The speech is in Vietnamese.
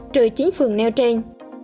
trừ chính phường nêu trên